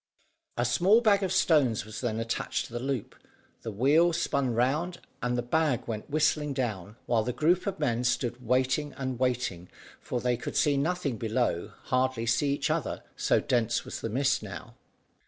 A small bag of stones was then attached to the loop, the wheel spun round, and the bag went whizzing down, while the group of men stood waiting and waiting, for they could see nothing below, hardly see each other, so dense was the mist now.